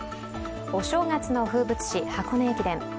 お正月の風物詩・箱根駅伝。